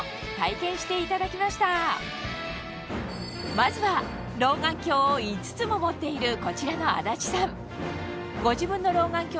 まずは老眼鏡を５つも持っているこちらの安達さん